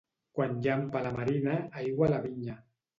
Quan llampa a la marina, aigua a la vinya.